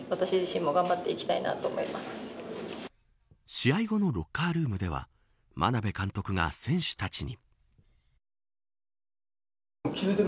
試合後のロッカールームでは眞鍋監督が選手たちに。